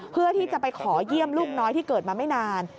เพื่อที่จะไปขอเยี่ยมลูกน้อยที่เกิดมาไม่นาน